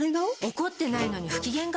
怒ってないのに不機嫌顔？